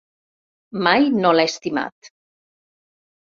Mai no l'ha estimat.